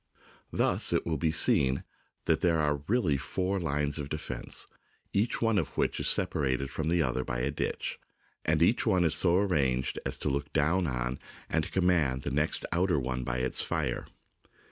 Thus it will be seen that there were really four lines of defence, each one of which is separated from the other by a ditch, and each one is so arranged as to look down on and to command the next outer [ 9A9 ] THE BOOK OF FAMOUS SIEGES one by its fire.